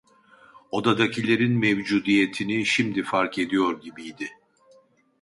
Odadakilerin mevcudiyetini şimdi fark ediyor gibiydi.